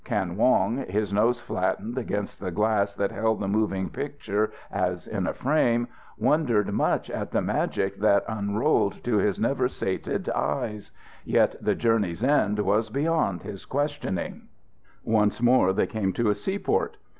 Kan Wong, his nose flattened against the glass that held the moving picture as in a frame, wondered much at the magic that unrolled to his never sated eyes. Yet the journey's end was beyond his questioning. Once more they came to a seaport.